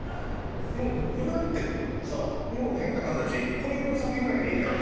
もう具なんて変な話小指の先ぐらいでいいんだもん。